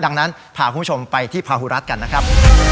ดังนั้นพาคุณผู้ชมไปที่พาหูรัฐกันนะครับ